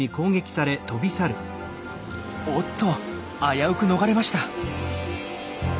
おっと危うく逃れました。